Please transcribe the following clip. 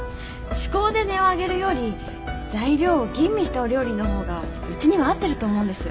趣向で値を上げるより材料を吟味したお料理のほうがうちには合ってると思うんです。